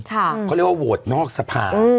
เขาเรียกว่าโหวตนอกสภา